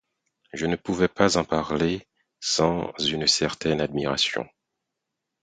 je ne pouvais en parler sans une certaine admiration.